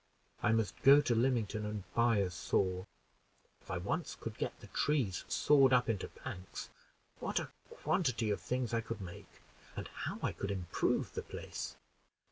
I must go to Lymington and buy a saw. If I once could get the trees sawed up into planks, what a quantity of things I could make, and how I could improve the place!"